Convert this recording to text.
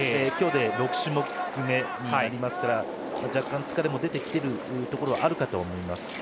今日で６種目めになりますから若干疲れも出てきてるところはあるかと思います。